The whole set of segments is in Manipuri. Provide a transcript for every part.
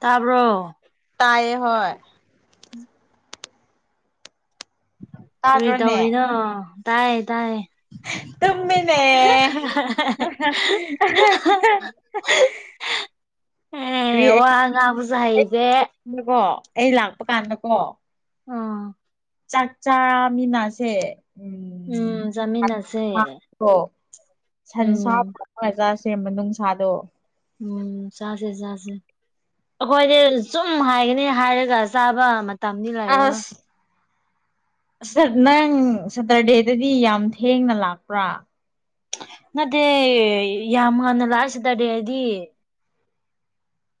ꯇꯥꯕ꯭ꯔꯣ ꯇꯥꯏꯌꯦ ꯍꫭꯏ ꯀꯨꯔꯤ ꯇꯥꯗ꯭ꯔꯣꯅꯦ ꯇꯧꯔꯤꯅꯣ ꯇꯥꯏꯌꯦ ꯇꯥꯏꯌꯦ ꯇꯨꯝ ꯃꯤꯅꯦ ꯑꯦ ꯋꯥꯉꯥꯡꯕꯁꯨ ꯍꯩꯇ‌ꯦ ꯀꯣ ꯑꯩ ꯂꯥꯛꯄ ꯀꯥꯟꯗꯀꯣ ꯑ [unintelligible] ꯆꯥꯛ ꯆꯥꯃꯤꯟꯅꯁꯦ ꯎꯝ ꯁꯟꯁꯥ ꯎꯝ ꯃꯖꯥ ꯁꯦꯝꯕ ꯃꯅꯨꯡꯁꯥꯗꯣ ꯎꯝ ꯆꯥꯁꯦ ꯆꯥꯁꯦ ꯑꯩꯈꯣꯏꯗꯤ ꯆꯨꯝ ꯍꯥꯏꯒꯅꯤ ꯍꯥꯏꯔꯒ ꯆꯥꯕ ꯃꯇꯝꯗꯤ ꯂꯩꯔꯔꯣꯏ ꯑꯁ ꯅꯪ ꯁꯇꯔꯗꯦꯗꯗꯤ ꯌꯥꯝ ꯊꯦꯡꯅ ꯂꯥꯛꯄ꯭ꯔꯥ ꯅꯠꯇꯦ ꯌꯥꯝ ꯉꯥꯟꯅ ꯂꯥꯛꯑꯁꯤꯇꯍꯥꯏꯗꯤ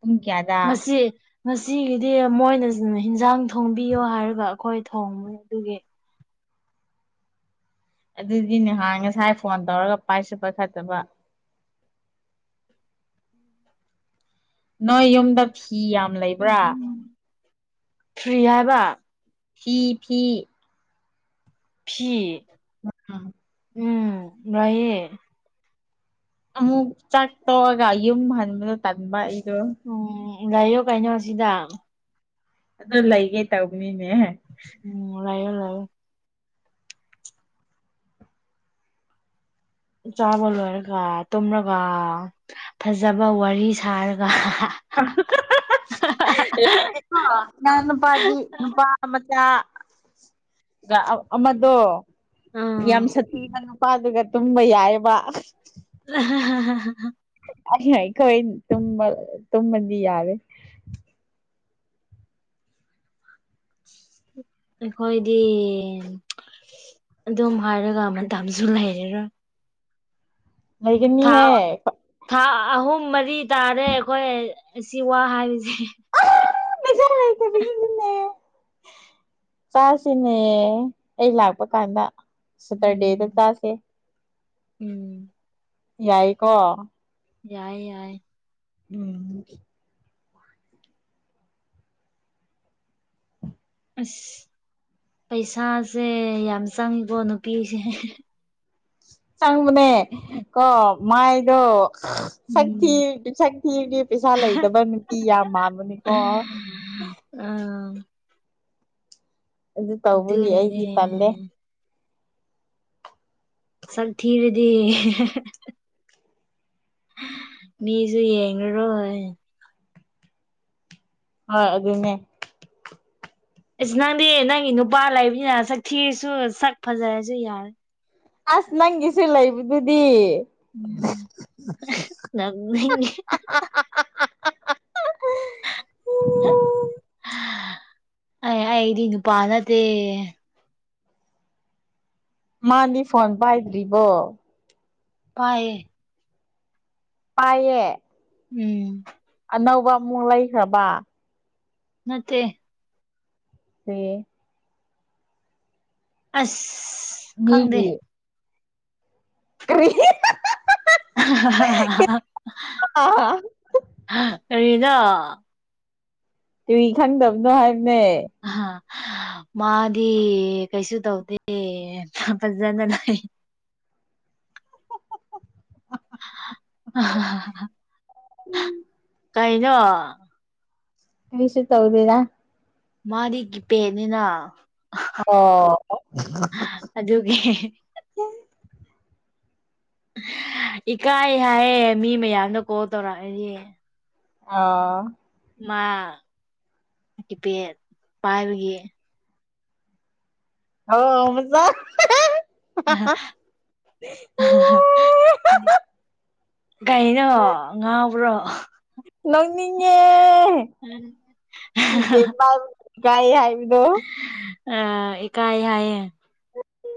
ꯄꯨꯡ ꯀꯌꯥꯗ ꯉꯁꯤ ꯉꯁꯤꯒꯤꯗꯤ ꯃꯣꯏꯅ ꯌꯦꯟꯖꯥꯡ ꯊꯣꯡꯕꯤꯌꯣ ꯍꯥꯏꯔꯒ ꯑꯩꯈꯣꯏ ꯊꯣꯡꯉ ꯑꯗꯨꯒꯤ ꯑꯗꯨꯗꯤ ꯅꯍꯥꯟ ꯉꯁꯥꯏ ꯐꯣꯟ ꯇꯧꯔꯒ ꯄꯥꯏꯁꯨ ꯄꯥꯏ ꯈꯠꯇꯕ ꯅꯣꯏ ꯌꯨꯝꯗ ꯐꯤ ꯌꯥꯝ ꯎ ꯂꯩꯕ꯭ꯔꯥ ꯐ꯭ꯔꯤ ꯍꯥꯏꯕ ꯐꯤ ꯐꯤ ꯐꯤ ꯎꯝ ꯎꯝ ꯔꯩꯌꯦ ꯑꯃꯨꯛ ꯆꯥꯛ ꯇꯣꯛꯑꯒ ꯌꯨꯝ ꯍꯟꯕꯗꯣ ꯇꯟꯕ ꯑꯩꯗꯣ ꯎꯝ ꯂꯥꯏꯌꯣ ꯀꯩꯅꯣ ꯁꯤꯗ ꯑꯗꯨꯣ ꯂꯩꯒꯦ ꯇꯧꯕꯅꯤꯅꯦ ꯎꯝ ꯂꯩꯑꫭ ꯂꯩꯑꯣ ꯆꯥꯕ ꯂꯣꯏꯔꯒ ꯇꯨꯝꯂꯒ ꯐꯖꯕ ꯋꯥꯔꯤ ꯁꯥꯔꯒ ꯑ ꯅꯥꯟ ꯅꯨꯄꯥꯗꯤ ꯅꯨꯄꯥ ꯃꯆꯥ ꯒꯥ ꯑꯃꯗꯣ ꯌꯥꯝ ꯁꯊꯤꯕ ꯅꯨꯄꯥꯗꯒ ꯇꯨꯝꯕ ꯌꯥꯏꯌꯦꯕ [unintelligible] [unintelligible] ꯑꯩꯈꯣꯏ ꯇꯨꯝꯕ ꯇꯨꯝꯃꯗꯤ ꯌꯥꯔꯦ [inaudible] ꯑꯩꯈꯣꯏꯗꯤ ꯑꯗꯨꯝ ꯍꯥꯏꯔꯒ ꯃꯇꯝꯁꯨ ꯂꯩꯔꯔꯣꯏ ꯊꯥ ꯂꯩꯒꯅꯤꯍꯦ ꯊꯥ ꯑꯍꯨꯝ ꯃꯔꯤ ꯇꯥꯔꯦ ꯑꯩꯈꯣꯏ ꯑꯁꯤ ꯋꯥ ꯍꯥꯏꯕꯁꯦ꯫ [unintelligible] ꯆꯥꯁꯤꯅꯦ ꯑꯩ ꯂꯥꯛꯄ ꯀꯥꯟꯗ ꯁꯇꯔꯗꯦꯗ ꯎꯝ ꯆꯥꯁꯦ ꯎꯝ ꯌꯥꯏꯀꯣ꯫ ꯌꯥꯏ ꯌꯥꯏ ꯎꯝ ꯑꯁ ꯄꯩꯁꯥꯁꯦ ꯌꯥꯝ ꯆꯪꯉꯤꯀꯣ ꯅꯨꯄꯤꯁꯦ ꯆꯪꯕꯅꯦ ꯀꯣ ꯃꯥꯏꯗꯣ ꯎꯝ ꯁꯊꯤꯔꯗꯤ ꯁꯛ ꯊꯤꯔꯗꯤ ꯄꯩꯁꯥ ꯂꯩꯗꯕ ꯅꯨꯄꯤ ꯌꯥꯝ ꯃꯥꯟꯕꯅꯤꯀꯣ ꯑꯥ ꯑꯗꯨ ꯇꯧꯕꯒꯤ ꯑꯩꯗꯤ ꯑꯗꯨꯅꯅꯦ ꯄꯜꯂꯦ ꯁꯛ ꯊꯤꯔꯗꯤ ꯃꯤꯁꯨ ꯌꯦꯡꯉꯔꯣꯏ ꯍꯣꯏ ꯑꯗꯨꯅꯦ ꯑꯁ ꯅꯪꯗꯤ ꯅꯪꯒꯤ ꯅꯨꯄꯥ ꯂꯩꯕꯅꯤꯅ ꯁꯛꯊꯤꯔꯁꯨ ꯁꯛ ꯐꯖꯔꯁꯨ ꯌꯥꯔꯦ ꯑꯁ ꯅꯪꯒꯤꯁꯨ ꯂꯩꯕꯗꯨꯗꯤ ꯎꯝ [unintelligible] ꯑꯩ ꯑꯩꯗꯤ ꯅꯨꯄꯥ ꯅꯠꯇꯦ ꯃꯥꯗꯤ ꯐꯣꯟ ꯄꯥꯏꯗ꯭ꯔꯤꯕꯣ ꯄꯥꯏꯌꯦ ꯄꯥꯏꯌꯦ ꯎꯝ ꯑꯅꯧꯕ ꯃꯨꯛ ꯂꯩꯈ꯭ꯔꯕ ꯅꯠꯇꯦ [unintelligible] ꯑꯁ ꯈꯪꯗꯦ ꯃꯤꯒꯤ ꯀꯔꯤ [unintelligible] [unintelligible] ꯀꯔꯤꯅꯣ ꯀꯔꯤ ꯈꯪꯗꯕꯅꯣ ꯍꯥꯏꯕꯅꯦ ꯑ ꯃꯥꯗꯤ ꯀꯩꯁꯨ ꯇꯧꯗꯦ ꯐꯖꯅ ꯂꯩ [unintelligible] ꯀꯩꯅꯣ ꯀꯩꯁꯨꯇꯧꯗꯦꯗ ꯃꯥꯗꯤ ꯒꯤꯄꯦꯗꯅꯤꯅ ꯑꯣ ꯑꯗꯨꯒꯤ ꯏꯀꯥꯏ ꯍꯥꯏꯌꯦ ꯃꯤ ꯃꯌꯥꯝꯅ ꯀꯣꯜ ꯇꯧꯔꯛꯑꯗꯤ ꯑꯣ ꯃꯥ ꯀꯤꯄꯦꯠ ꯄꯥꯏꯕꯒꯤ ꯑꯣ ꯃꯆꯥ [unintelligible] [unintelligible] ꯀꯩꯅꯣ ꯉꯥꯎꯕ꯭ꯔꯣ ꯅꯣꯛꯅꯤꯡꯉꯦ ꯀꯤꯄꯦꯗ ꯄꯥꯏꯕꯒꯤ ꯏꯀꯥꯏꯌꯦ ꯍꯥꯏꯕꯗꯣ ꯑꯀꯥꯏ ꯍꯥꯏ ꯎ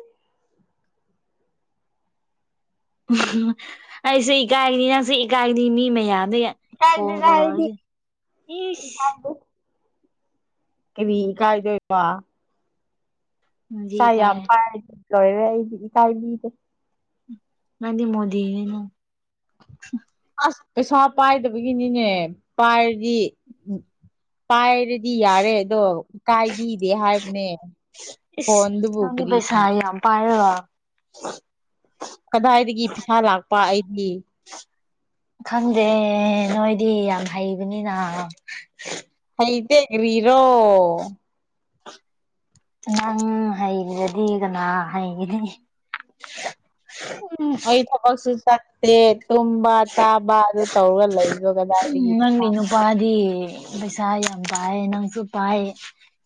ꯑꯩꯁꯦ ꯏꯀꯥꯏꯒꯅꯤ ꯅꯪꯁꯦ ꯏꯀꯥꯏꯒꯅꯤ ꯃꯤ ꯃꯌꯥꯝꯗꯒꯤ ꯏꯀꯥꯏꯗꯦꯗ ꯑꯩꯗꯤ ꯀꯣꯗꯔꯗꯤ ꯀꯥꯏꯗ ꯋꯥ ꯅꯪꯗꯤ ꯏꯁꯥ ꯌꯥꯝ ꯏꯀꯥꯏ ꯄꯥꯏ ꯂꯣꯏꯔꯔꯦ ꯑꯩꯗꯤ ꯏꯀꯥꯏꯕꯤꯗꯦ ꯅꯅꯤꯗꯤ ꯃꯣꯗꯤꯅ ꯑꯁ ꯄꯩꯁꯥ ꯄꯥꯏꯗꯕꯒꯤꯅꯤꯅꯦ ꯄꯥꯏꯔꯗꯤ ꯄꯥꯏꯔꯤ ꯗꯤ ꯌꯥꯔꯦ ꯑꯗꯣ ꯀꯥꯏꯕꯤꯗꯦ ꯍꯥꯏꯕꯅꯦ ꯏꯁ ꯐꯣꯟꯗꯨꯕꯨ ꯅꯪꯗꯤ ꯀꯔꯤ ꯄꯩꯁꯥ ꯌꯥꯝ ꯄꯥꯒ ꯍ ꯀꯗꯥꯏꯗꯒꯤ ꯄꯩꯁꯥ ꯂꯥꯛꯄ ꯑꯩꯗꯤ ꯈꯪꯗꯦ ꯅꯣꯏꯗꯤ ꯌꯥꯝ ꯍꯩꯕꯅꯤꯅ ꯍꯩꯗꯦꯒꯔꯤꯔꯣ ꯅꯪ ꯍꯩꯔꯗꯤ ꯀꯅꯥ ꯍꯩꯒꯗꯤ ꯎꯝ ꯑꯩ ꯊꯀꯁꯨ ꯆꯦ ꯇ ꯆꯥꯕ ꯑꯗꯨ ꯇꯧꯔꯒ ꯂꯩꯗꯣ ꯀꯗꯥꯏꯗꯒꯤ ꯋꯥꯗꯤ ꯄꯩꯁꯥ ꯌꯥꯝ ꯄꯥꯏ ꯅꯪꯁꯨ ꯄꯥꯏ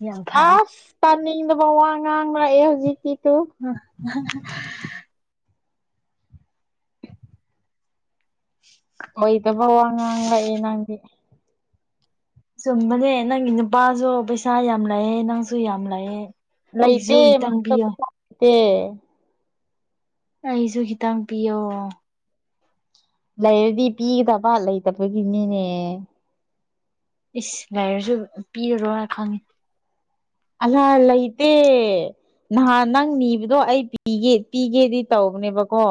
ꯌꯥꯝ ꯐꯩ ꯑꯁ ꯇꯥꯅꯤꯡꯗꯕ ꯋꯥ ꯉꯥꯡ ꯂꯛꯑꯦ ꯍꯧꯖꯤꯛꯀꯤꯗꯨꯨ ꯎ [unintelligible] ꯑꯣꯏꯗꯕ ꯋꯥ ꯉꯥꯡ ꯂꯥꯛꯑꯦ ꯅꯪꯗꯤ ꯆꯨꯝꯕꯅꯦ ꯅꯪꯒꯤ ꯅꯨꯄꯥꯁꯨ ꯄꯩꯁꯥ ꯌꯥꯝ ꯂꯥꯛꯑꯦ ꯅꯪꯁꯨ ꯌꯥꯝ ꯂꯥꯛꯑꯦ ꯃꯇꯦ ꯃꯦ ꯑꯩꯁꯨ ꯈꯤꯇꯪ ꯄꯤꯌꯣ ꯂꯩꯔꯗꯤ ꯄꯤꯒꯗꯕ ꯂꯩꯇꯕꯒꯤꯅꯤꯅꯦ ꯏꯁ ꯂꯥꯏꯔꯁꯨ ꯄꯤꯔꯔꯣꯏꯅ ꯈꯪꯉꯤ ꯑꯜꯥꯍꯤꯠꯇ ꯅꯍꯥꯟ ꯅꯪ ꯅꯤꯕꯗꯣ ꯑꯩ ꯄꯤꯒꯦ ꯄꯤꯒꯦꯗꯤ ꯇꯧꯕꯅꯦꯕꯀꯣ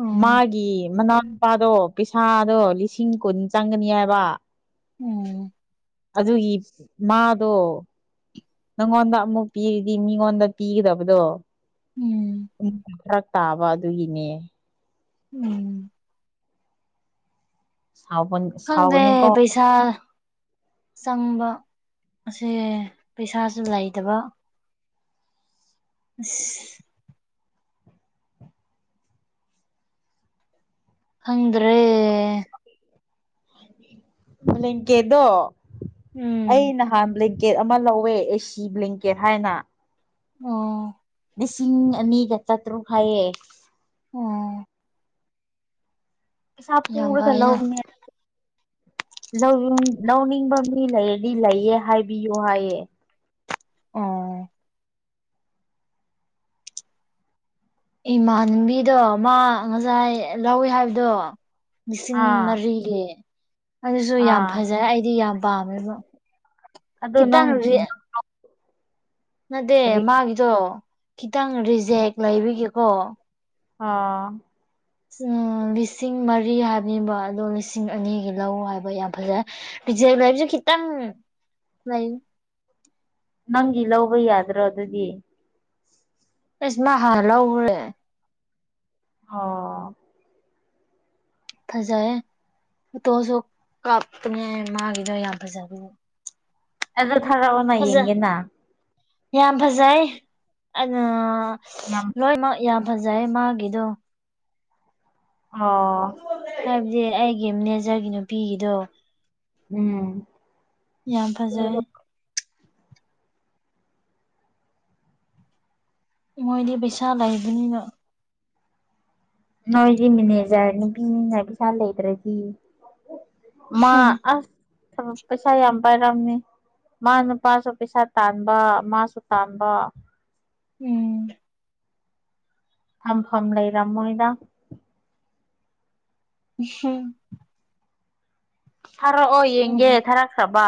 ꯎꯝ ꯃꯥꯒꯤ ꯃꯅꯥꯎꯅꯨꯄꯥꯗꯣ ꯄꯩꯁꯥꯗꯣ ꯂꯤꯁꯤꯡ ꯀꯨꯟ ꯆꯪꯒꯅꯤ ꯍꯥꯏꯕ ꯎꯝ ꯑꯗꯨꯒꯤ ꯃꯥꯗꯣ ꯅꯪꯉꯣꯟꯗ ꯑꯃꯨꯛ ꯄꯤꯔꯤꯗꯤ ꯃꯤꯉꯣꯟꯗ ꯄꯤꯒꯗꯕꯗꯣ ꯎꯝ ꯈꯔ ꯇꯥꯕ ꯑꯗꯨꯒꯤꯅꯦ ꯎꯝ ꯁꯕꯟ ꯈꯪꯗꯦ ꯄꯩꯁꯥ ꯄꯩꯁꯥ ꯆꯪꯕ ꯑꯦ ꯄꯩꯁꯥꯁꯨ ꯂꯩꯇꯕ ꯎ ꯍꯗ꯭ꯔꯦ ꯑ ꯀꯦꯗꯣ ꯎꯝ ꯑꯩ ꯅꯍꯥꯟ ꯕ꯭ꯂꯦꯡꯀꯦꯠ ꯑꯃ ꯂꯧꯋꯦ ꯑꯦꯁꯤ ꯕ꯭ꯂꯦꯡꯀꯦꯠ ꯍꯥꯏꯅ ꯑꯣ ꯂꯤꯁꯤꯡ ꯑꯅꯤꯒ ꯆꯥꯇ꯭ꯔꯨꯛ ꯍꯥꯏꯥꯏꯑꯦ ꯑꯣ ꯁꯞ ꯌꯥꯝ ꯄꯔꯒ ꯐꯩꯅ ꯂꯣꯅꯦ ꯂꯧ ꯂꯧꯅꯤꯡꯕ ꯃꯤ ꯂꯩꯔꯗꯤ ꯂꯩꯌꯦ ꯍꯥꯏꯕꯤꯌꯨ ꯍꯥꯏꯌꯦꯦ ꯑꯣ ꯏꯃꯥꯟꯅꯕꯤꯗꯣ ꯃꯥ ꯉꯁꯥꯏ ꯂꯧꯋꯦ ꯍꯥꯏꯕꯗꯣ ꯂꯤꯁꯤꯡ ꯑꯥ ꯃꯔꯤꯒꯤ ꯑꯗꯨꯁꯨ ꯌꯥꯝ ꯑꯥ ꯐꯖꯩ ꯑꯩꯗꯤ ꯌꯥꯝ ꯄꯥꯝꯃꯦꯕ ꯑꯗꯣ ꯈꯤꯇꯪ ꯅꯪ ꯅꯠꯇꯦ ꯀꯔꯤ ꯃꯥꯒꯤꯗꯣ ꯈꯤꯇꯪ ꯔꯤꯖꯦꯛ ꯂꯩꯕꯤꯒꯦꯀꯣ ꯑꯥ ꯎꯝ ꯂꯤꯁꯤꯡ ꯃꯔꯤ ꯍꯥꯏꯕꯅꯤꯕ ꯑꯗꯣ ꯂꯤꯁꯤꯡ ꯑꯅꯤꯒꯤ ꯂꯧ ꯍꯥꯏꯕ ꯌꯥꯝ ꯐꯖꯩ ꯄꯤꯖꯦ ꯂꯩꯕꯤꯁꯨ ꯈꯤꯇꯪ ꯂꯩ ꯅꯪꯒꯤ ꯂꯧꯕ ꯌꯥꯗ꯭ꯔꯣ ꯑꯗꯨꯗꯤ ꯏꯁ ꯃꯥ ꯍꯥꯟꯅ ꯂꯧꯒ꯭ꯔꯦ ꯑꯣ ꯐꯖꯩꯌꯦ ꯎꯇꯣꯁꯨ ꯀꯥꯞꯇꯅꯦ ꯃꯥꯒꯤꯗꯣ ꯌꯥꯝ ꯐꯖꯕꯒꯤ ꯑꯗꯣ ꯊꯔꯛꯑꯣꯅ ꯌꯦꯡꯒꯦꯅ ꯌꯥꯝ ꯐꯖꯩ ꯌꯥꯝ ꯂꯣꯏꯃꯛ ꯌꯥꯝ ꯐꯖꯩ ꯃꯥꯒꯤꯗꯣ ꯑꯣ ꯍꯥꯏꯕꯗꯤ ꯑꯩꯒꯤ ꯃꯦꯅꯦꯖꯔꯒꯤ ꯅꯨꯄꯤꯒꯤꯗꯣ ꯎꯝ ꯌꯥꯝ ꯐꯖꯩ ꯃꯣꯏꯗꯤ ꯄꯩꯁꯥ ꯂꯩꯕꯅꯤꯅ ꯅꯣꯏꯗꯤ ꯃꯤꯦꯅꯦꯖꯔ ꯅꯨꯄꯤꯅ ꯄꯩꯁꯥ ꯂꯩꯇ꯭ꯔꯗꯤ ꯃꯥ ꯑꯁ ꯊꯕꯛ ꯄꯩꯁꯥ ꯌꯥꯝ ꯄꯥꯏꯔꯝꯅꯦ ꯃꯥ ꯅꯨꯄꯥꯁꯨ ꯄꯩꯁꯥ ꯇꯥꯟꯕ ꯃꯥꯁꯨ ꯇꯥꯟꯕ ꯎꯝ ꯊꯝ ꯐꯝ ꯂꯩꯔꯝ ꯃꯣꯏꯗ ꯍꯝ ꯊꯥꯔꯛꯑꯣ ꯎꯝ ꯌꯦꯡꯒꯦ ꯊꯥꯔꯈ꯭ꯔꯕ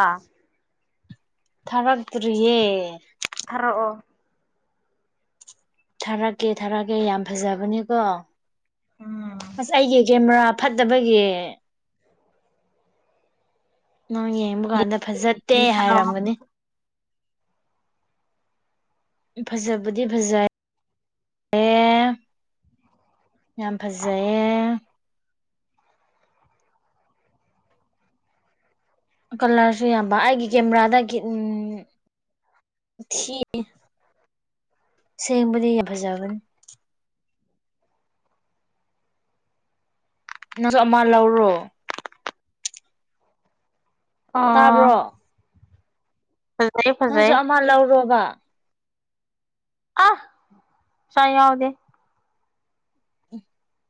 ꯊꯔꯛꯇꯔꯤꯌꯦ ꯊꯔꯛꯑꯣ ꯊꯥꯔꯛꯀꯦ ꯊꯥꯔꯛꯀꯦ ꯌꯥꯝ ꯐꯖꯕꯅꯤꯀꯣ ꯎꯝ ꯑꯁ ꯑꯩꯒꯤ ꯀꯦꯃꯦꯔꯥ ꯐꯠꯇꯕꯒꯤ ꯅꯪ ꯌꯦꯡꯕ ꯀꯥꯟꯗ ꯐꯖꯠꯇꯦ ꯊꯥꯔꯛꯑꯣ ꯍꯥꯏꯔꯝꯒꯅꯤ ꯐꯖꯕꯨꯗꯤ ꯐꯖꯩ ꯑꯦ ꯌꯥꯝ ꯐꯖꯩꯌꯦ ꯀꯂꯔꯁꯨ ꯌꯥꯝꯕ ꯑꯩꯒꯤ ꯀꯦꯃꯦꯔꯥꯗ ꯎꯝ ꯊꯤ ꯁꯦꯡꯕꯗꯤ ꯌꯥ ꯐꯖꯕꯅꯤ ꯅꯪꯁꯨ ꯑꯃ ꯂꯧꯔꯣ ꯑꯥ ꯇꯥꯕ꯭ꯔꯣ ꯐꯖꯩ ꯐꯖꯩ ꯃꯥ ꯂꯧꯔꯣꯕ ꯑ ꯆ ꯌꯥꯎꯗꯦ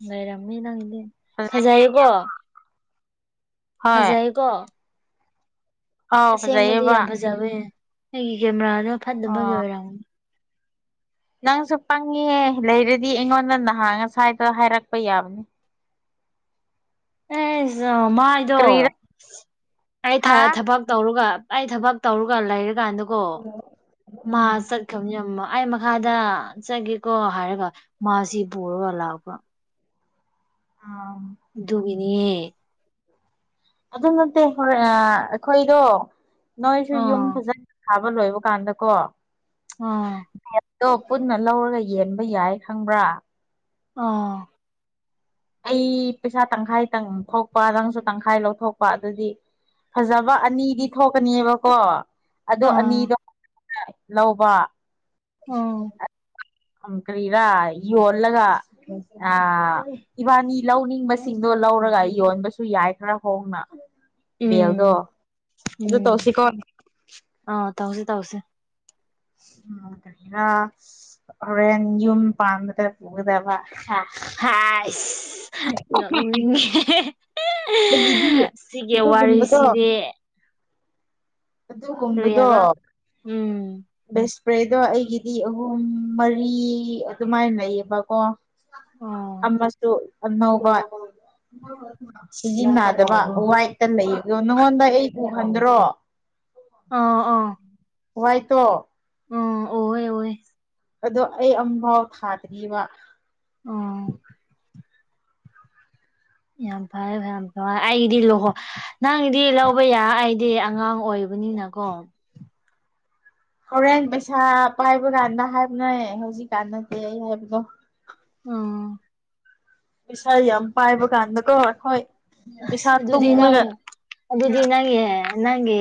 ꯂꯩꯔꯝꯃꯤ ꯅꯪꯒꯤꯗꯤ [unintelligible] ꯍꯣꯏ ꯐꯖꯩꯀꯣ ꯑꯥꯎ ꯑꯁꯦꯡꯕꯗꯤ ꯐꯖꯩꯌꯦꯕ ꯌꯥꯝ ꯐꯖꯕꯦ ꯅꯒꯤ ꯀꯦꯃꯦꯔꯥꯗꯣ ꯐꯠꯇꯅꯕꯒꯤ ꯑꯣ ꯑꯣꯏꯔꯝꯅꯦ ꯅꯪꯁꯨ ꯄꯪꯉꯦ ꯂꯩꯔꯗꯤ ꯑꯩꯉꯣꯟꯗ ꯅꯍꯥ ꯑꯁ꯭ꯋꯥꯏꯗ ꯍꯥꯏꯔꯛꯄ ꯌꯥꯕꯅꯦ ꯑꯦ ꯃꯥꯏꯗꯣ ꯀꯔꯤꯔ ꯑꯩ ꯍꯥ ꯊꯕꯛ ꯇꯧꯔꯒ ꯑꯩ ꯊꯕꯛ ꯇꯧꯔꯒ ꯂꯩꯔꯀꯥꯟꯗꯀꯣ ꯃꯥ ꯎꯝ ꯆꯠꯈꯤꯕꯅꯤ ꯌꯥꯝ ꯑꯩ ꯃꯈꯥꯗ ꯆꯠꯒꯦꯀꯣ ꯍꯥꯏꯔꯒ ꯃꯥꯁꯤ ꯄꯨꯔꯒ ꯂꯥꯛꯄ ꯑꯥ ꯗꯨꯒꯤꯅꯤꯌꯦ ꯑꯗꯨ ꯅꯠꯇꯦ ꯍꯣꯔꯦꯟ ꯑꯩꯈꯣꯏꯗꯣ ꯅꯣꯏꯁꯨ ꯌꯨꯝ ꯑꯥ ꯐꯖꯅꯕ ꯑꯃ ꯂꯣꯏꯕ ꯀꯥꯟꯗꯀꯣ ꯑꯣ ꯦꯠꯇꯣ ꯄꯨꯟꯅ ꯂꯧꯔꯒ ꯌꯦꯟꯕ ꯌꯥꯏ ꯈꯪꯕ꯭ꯔꯥ ꯑꯥ ꯑꯩ ꯄꯩꯁꯥ ꯇꯪꯈꯥꯏ ꯇꯪ ꯊꯣꯛꯣꯛꯄ ꯅꯪꯁꯨ ꯇꯪꯈꯥꯏ ꯂꯧꯊꯣꯛꯄ ꯑꯗꯨꯗꯤ ꯐꯖꯕ ꯑꯅꯤꯗꯤ ꯊꯣꯛꯀꯅꯦꯕꯀꯣ ꯑꯥ ꯑꯗꯣ ꯑꯥ ꯑꯅꯤꯗꯣ ꯂꯧꯕ ꯑꯃ ꯀꯔꯤꯔꯥ ꯌꯣꯜꯂꯒ ꯑ ꯏꯕꯥꯅꯤ ꯂꯧꯅꯤꯡꯕꯁꯤꯡꯗꯣ ꯂꯧꯔꯒ ꯌꯣꯟꯕꯁꯨ ꯌꯥꯏ ꯈꯔ ꯍꯣꯡꯅ ꯕꯦꯜꯗꯣ ꯎꯝ ꯑꯗꯨ ꯎꯝ ꯇꯧꯁꯤꯀꯣ ꯑ ꯇꯥꯎꯁꯤꯦ ꯇꯥꯎꯁꯤꯦ ꯎꯝ ꯩꯔꯥ ꯍꯣꯔꯦꯟ ꯌꯨꯝ ꯄꯥꯟꯕꯗ ꯄꯨꯒꯗꯕ ꯍ ꯅꯣꯛꯅꯤꯡꯉꯦ ꯑꯩꯒꯤꯗꯤ ꯁꯤꯒꯤ ꯑꯗꯨꯒꯨꯝꯕꯗꯣ ꯋꯥꯔꯤꯁꯤꯗꯤ ꯀꯔꯤ ꯑꯗꯨꯒꯨꯝꯕꯗꯣ ꯍꯥꯏꯕ ꯎꯝ ꯕꯦ ꯏꯁꯄ꯭ꯔꯦꯗꯣ ꯑꯩꯒꯤꯗꯤ ꯑꯍꯨꯝ ꯃꯔꯤ ꯑꯗꯨꯃꯥꯏꯅ ꯂꯩꯌꯦꯕꯀꯣ ꯑꯣ ꯑꯃꯁ ꯑꯅꯧ ꯋꯥꯏ ꯁꯤꯖꯤꯟꯅꯗꯕ ꯋꯥꯏꯠꯇ ꯂꯩꯣ ꯅꯪꯉꯣꯟꯗ ꯑꯩ ꯊꯣꯡꯍꯟꯗ꯭ꯔꯣ ꯑꯥ ꯑꯥ ꯍꯥꯏꯇꯣ ꯎꯝ ꯑꯣꯍꯦ ꯑꯣꯍꯦ ꯑꯗꯣ ꯑꯩ ꯑꯃꯝꯐꯥꯎ ꯊꯥꯗ꯭ꯔꯤꯔꯤꯕ ꯑꯣ ꯌꯥꯝ ꯐꯔꯦ ꯐꯔ ꯌꯥꯝ ꯐꯔꯦ ꯑꯩꯗꯤ ꯂꯨꯍꯣ ꯅꯪꯗꯤ ꯂꯧꯕ ꯌꯥ ꯑꯩꯗꯤ ꯑꯉꯥꯡ ꯑꯣꯏꯕꯅꯤꯅꯀꯣ ꯍꯣꯔꯦꯟ ꯄꯩꯁꯥ ꯄꯥꯏꯕ ꯀꯥꯟꯗ ꯍꯥꯏꯕꯅ ꯍꯧꯖꯤꯛꯀꯥꯟꯗꯗꯤꯦ ꯑꯩ ꯍꯥꯏꯕꯗꯣ ꯑꯣ ꯄꯩꯁꯥ ꯌꯥꯝ ꯄꯥꯏꯕ ꯀꯥꯟꯗꯀꯣ ꯍꯈꯣꯏ ꯑ ꯑꯗꯨꯗꯤ ꯅ ꯑꯗꯨ ꯑꯗꯨꯗꯤ ꯅꯒꯤꯦ ꯅꯪꯒꯤ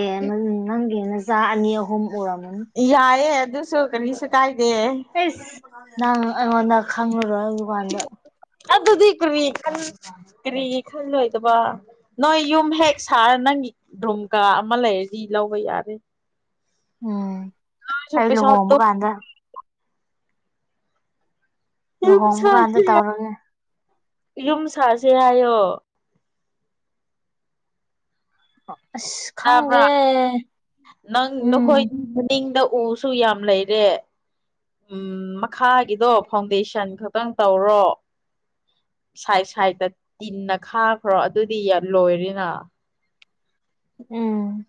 ꯅꯪꯒꯤ ꯃꯆꯥ ꯑꯅꯤ ꯑꯍꯨꯝ ꯎꯔꯝꯃꯅꯤ ꯌꯥꯏꯑꯦ ꯑꯗꯨꯁꯨ ꯀꯔꯤꯁꯨ ꯀꯥꯏꯗꯦ ꯏꯁꯁ ꯅꯪ ꯑꯩꯉꯣꯟꯗ ꯈꯪꯂꯨꯔꯣꯏ ꯗꯨꯀꯥꯟꯗ ꯑꯗꯨꯗꯤ ꯀꯔꯤ ꯀꯨꯔꯤ ꯈꯜꯂꯣꯏꯗꯕ ꯅꯣꯏ ꯌꯨꯝ ꯍꯦꯛ ꯁꯥꯔ ꯅꯪꯒꯤ ꯙ꯭ꯔꯨꯝ ꯀꯥ ꯑꯃ ꯂꯩꯔꯗꯤ ꯂꯧꯕ ꯌꯥꯔꯦ ꯎꯝ ꯅꯣꯏꯁꯨ ꯑꯩ ꯄꯩꯁꯥ ꯂꯨꯍꯣꯡꯕ ꯇꯨꯡ ꯀꯥꯟꯗ ꯌꯨꯝ ꯂꯨꯍꯣꯡꯕ ꯁꯥ ꯀꯥꯟꯗ ꯇꯧꯔꯒꯦ ꯌꯨꯝ ꯁꯥꯁꯤꯦ ꯍꯥꯏꯌꯣ ꯑꯁ ꯈꯪꯗꯦ ꯇꯥꯕ꯭ꯔꯥ ꯅꯪ ꯎꯝ ꯅꯈꯣꯏꯒꯤ ꯃꯅꯤꯡꯗ ꯎꯁꯨ ꯌꯥꯝ ꯂꯩꯔꯦ ꯎꯝ ꯃꯈꯥꯒꯤꯗꯣ ꯐꯥꯎꯟꯗꯦꯁꯟ ꯈꯛꯇꯪ ꯇꯧꯔꯣ ꯁꯥꯏꯠ ꯁꯥꯏꯗꯠꯇ ꯇꯤꯟꯅ ꯈꯥꯈ꯭ꯔꯣ ꯑꯗꯨꯗꯤ ꯂꯣꯏꯔꯅ ꯎꯝ